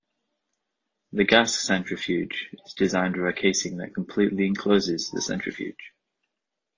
The gas centrifuge is designed with a casing that completely encloses the centrifuge.